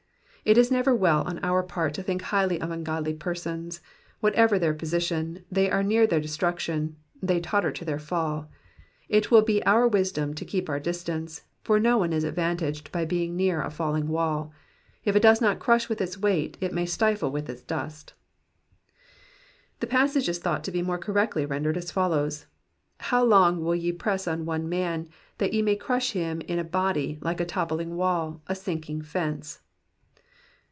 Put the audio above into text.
It is never well on our part to think highly of ungodly persons ; what ever their position, they are near their destruction, they totter to their fall ; it will be our wisdom to keep our distance, for no one is advantaged by being near a falling wall ; if it does not crush with its weight, it may stifle with its dust. The ijassage is thought to be more correctly rendered as follows :—How long will ye press on one man, that ye may crush him in a body, like a top pling wall, a sinking fence